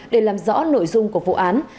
để làm rõ nội dung của vụ án